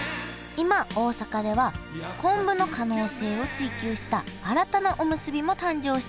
今大阪では昆布の可能性を追求した新たなおむすびも誕生しています